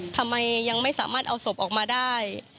ทำไมยังไม่สามารถเอาศพออกมาได้